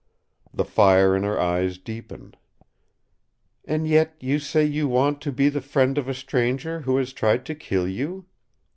The fire in her eyes deepened. "And yet you say you want to be the friend of a stranger who has tried to kill you.